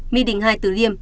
mi đình hai tử liêm